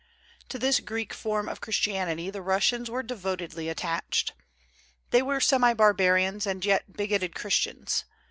To this Greek form of Christianity the Russians were devotedly attached. They were semi barbarians, and yet bigoted Christians.